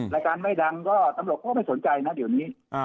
รายการไม่ดังก็ตำรวจก็ไม่สนใจนะเดี๋ยวนี้